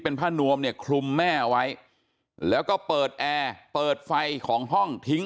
เป็นผ้านวมเนี่ยคลุมแม่เอาไว้แล้วก็เปิดแอร์เปิดไฟของห้องทิ้ง